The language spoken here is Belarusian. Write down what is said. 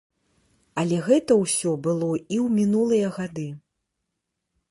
Але гэта ўсё было і ў мінулыя гады.